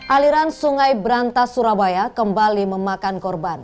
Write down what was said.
aliran sungai berantas surabaya kembali memakan korban